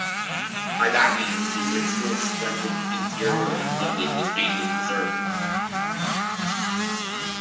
By that means, the original splendid interior of the building was mainly preserved.